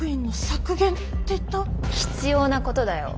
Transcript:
必要なことだよ。